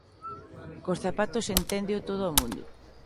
Cos zapatos enténdeo todo o mundo.